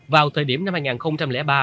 vào thời điểm năm hai nghìn ba